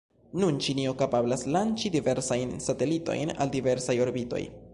Nun Ĉinio kapablas lanĉi diversajn satelitojn al diversaj orbitoj.